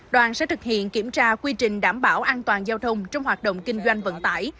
đoàn sẽ thực hiện kiểm tra quy trình đảm bảo an toàn giao thông trong hoạt động kinh doanh vận tải